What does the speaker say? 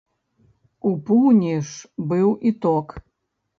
У пуні ж быў і ток.